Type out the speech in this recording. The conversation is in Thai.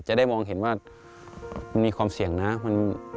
จะได้มองเห็นว่ามันมีความเสี่ยงนะ